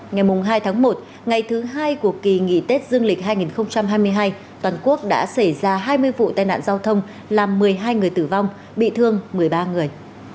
ngày hai tháng một ngày thứ hai của kỳ nghỉ tết dương lịch hai nghìn hai mươi hai toàn quốc đã xảy ra hai mươi vụ tai nạn giao thông làm một mươi hai người tử vong bị thương một mươi ba người